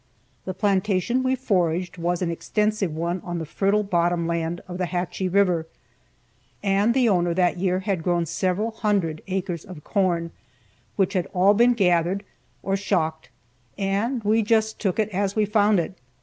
The plantation we foraged was an extensive one on the fertile bottom land of the Hatchie river, and the owner that year had grown several hundred acres of corn, which had all been gathered, or shocked, and we just took it as we found it.